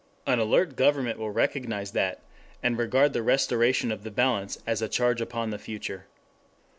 An alert government will recognize that and regard the restoration of the balance as a charge upon the future.